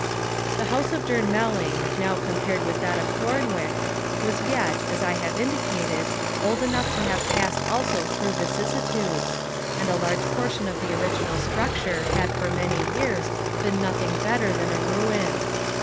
The house of Durnmelling, new compared with that of Thornwick, was yet, as I have indicated, old enough to have passed also through vicissitudes, and a large portion of the original structure had for many years been nothing better than a ruin.